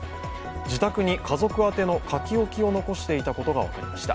自宅に家族宛の書き置きを残していたことが分かりました。